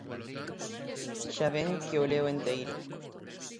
Xa ven que o leo enteiro.